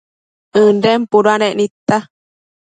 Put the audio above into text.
ënden puduanec nidta